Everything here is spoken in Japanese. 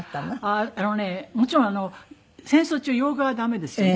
あのねもちろん戦争中洋画は駄目ですよね。